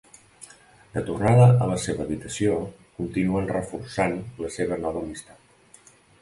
De tornada a la seva habitació, continuen reforçant la seva nova amistat.